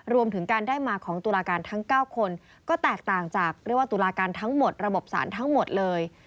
รวมถึงการได้มาของตุลาการทั้ง๙คนก็แตกต่างจากเรียกว่าตุลาการทั้งหมดระบบสารทั้งหมดเลย